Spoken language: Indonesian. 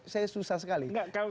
saya susah sekali membacanya